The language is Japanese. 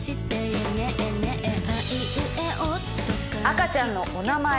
赤ちゃんのお名前